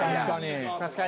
確かに。